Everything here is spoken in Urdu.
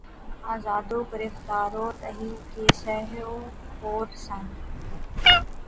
آزاد و گرفتار و تہی کیسہ و خورسند